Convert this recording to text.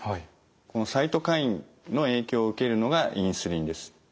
このサイトカインの影響を受けるのがインスリンです。